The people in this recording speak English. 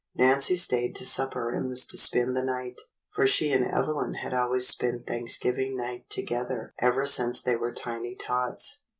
Nancy stayed to supper and was to spend the night, for she and Evelyn had always spent Thanks giving night together ever since they were tiny tots.